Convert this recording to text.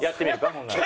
ほんなら。